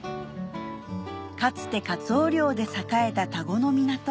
かつてカツオ漁で栄えた田子の港